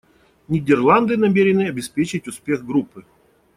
Нидерланды намерены обеспечить успех группы.